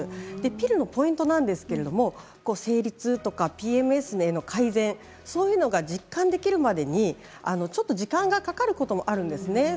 ピルのポイントですが生理痛とかＰＭＳの改善そういうのが実感できるまでにちょっと時間がかかることもあるんですね